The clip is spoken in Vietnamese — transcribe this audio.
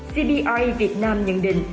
cbi việt nam nhận định